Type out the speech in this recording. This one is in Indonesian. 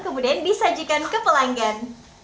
kemudian disajikan ke pelanggan